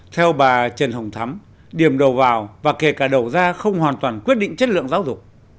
theo bà trần hồng thắm điểm đầu vào và kể cả đầu ra không hoàn toàn quyết định chất lượng giáo dục